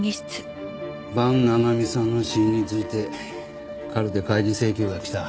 伴七海さんの死因についてカルテ開示請求が来た。